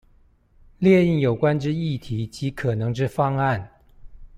列印有關之議題及可能之方案